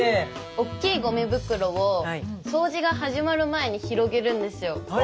おっきいゴミ袋を掃除が始まる前に広げるんですよ。